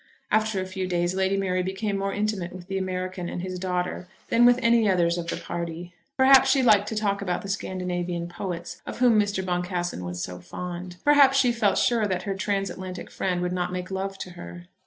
After a few days Lady Mary became more intimate with the American and his daughter than with any others of the party. Perhaps she liked to talk about the Scandinavian poets, of whom Mr. Boncassen was so fond. Perhaps she felt sure that her transatlantic friend would not make love to her.